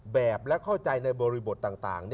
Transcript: แบบและเข้าใจในบริบทต่าง